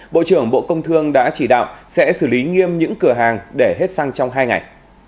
bộ trưởng bộ công thương đã chỉ đạo sẽ xử lý nghiêm những cửa hàng để hết xăng trong hai ngày